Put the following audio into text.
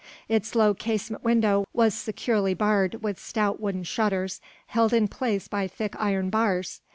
Its low casement window was securely barred with stout wooden shutters, held in place by thick iron bars.